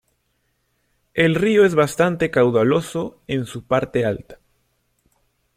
El río es bastante caudaloso en su parte alta.